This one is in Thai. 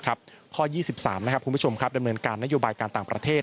ข้อ๒๓ดำเนินการนโยบายการต่างประเทศ